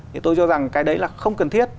thì tôi cho rằng cái đấy là không cần thiết